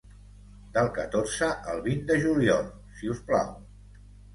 Del catorze al vint de juliol si us plau.